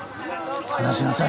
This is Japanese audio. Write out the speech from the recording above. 離しなさい。